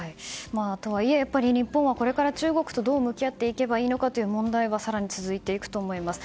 とはいえ、やっぱり日本はこれから中国とどう向き合っていけばいいのかという問題が更に続いていくと思います。